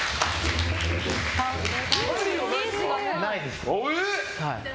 ないです。